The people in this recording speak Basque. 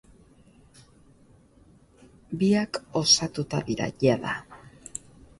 Biak osatuta dira jada.